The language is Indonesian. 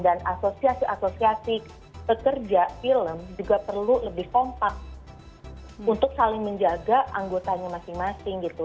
dan asosiasi asosiasi pekerja film juga perlu lebih kompak untuk saling menjaga anggotanya masing masing gitu